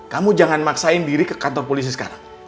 kamu jangan maksain diri ke kantor polisi sekarang